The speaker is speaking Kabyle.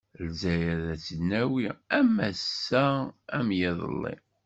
Lezzayer ad tt-id-nawi, am ass-a am yiḍelli.